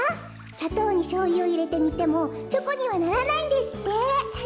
さとうにしょうゆをいれてにてもチョコにはならないんですって！